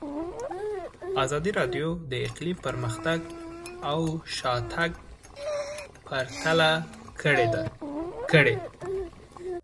ازادي راډیو د اقلیم پرمختګ او شاتګ پرتله کړی.